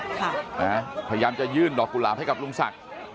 พยายามจะยื่นดอกกุหลาบให้กับลุงศักดิ์